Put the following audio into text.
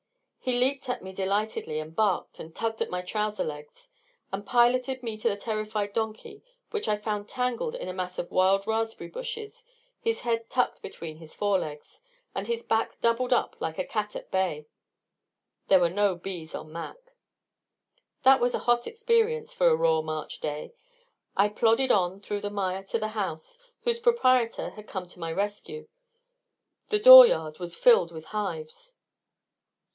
He leaped at me delightedly, and barked, and tugged at my trouser legs, and piloted me to the terrified donkey which I found tangled in a mass of wild raspberry bushes, his head tucked between his forelegs, and his back doubled up like a cat at bay. There were no bees on Mac. That was a hot experience, for a raw March day. I plodded on through the mire to the house, whose proprietor had come to my rescue. The dooryard was filled with hives.